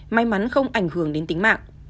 may mắn không ảnh hưởng đến tính mạng